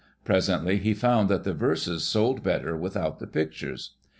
Pres ently he found that the verses sold better without the' pictures.